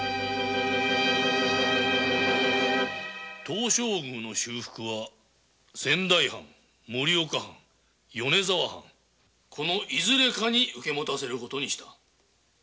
東照宮修復は仙台藩盛岡藩米沢藩のどれかに受け持たせる事にした。